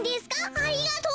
ありがとう。